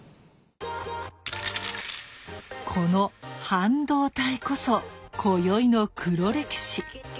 この半導体こそ今宵の黒歴史。